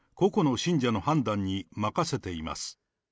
あくまで個々の信者の判断に任せています。